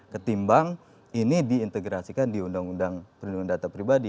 ketimbang ini diintegrasikan di undang undang perlindungan data pribadi